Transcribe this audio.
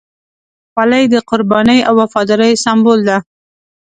خولۍ د قربانۍ او وفادارۍ سمبول ده.